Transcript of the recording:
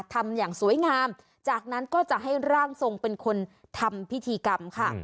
ทำอย่างสวยงามจากนั้นก็จะให้ร่างทรงเป็นคนทำพิธีกรรมค่ะ